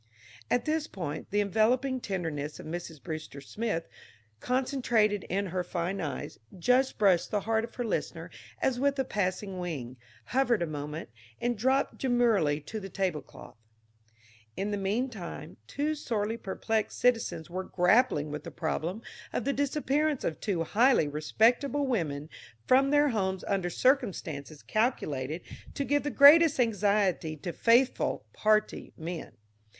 At this point the enveloping tenderness of Mrs. Brewster Smith concentrated in her fine eyes, just brushed the heart of her listener as with a passing wing, hovered a moment, and dropped demurely to the tablecloth. In the meantime two sorely perplexed citizens were grappling with the problem of the disappearance of two highly respectable women from their homes under circumstances calculated to give the greatest anxiety to faithful "party" men.